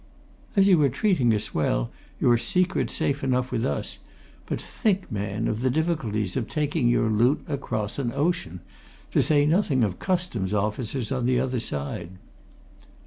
As you are treating us well, your secret's safe enough with us but think, man, of the difficulties of taking your loot across an ocean! to say nothing of Customs officers on the other side."